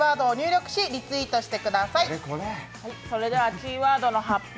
キーワードの発表